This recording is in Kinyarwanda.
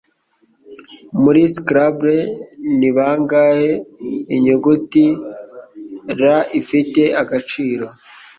Muri Scrabble Ni bangahe Inyuguti R ifite agaciro